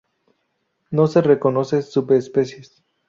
No se reconoce subespecies.